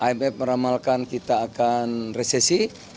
imf meramalkan kita akan resesi